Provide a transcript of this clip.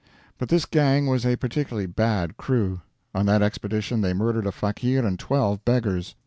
But this gang was a particularly bad crew. On that expedition they murdered a fakeer and twelve beggars.